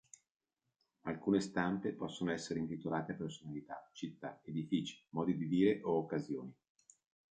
Alcune stampe possono essere intitolate a personalità, città, edifici, modi di dire o occasioni.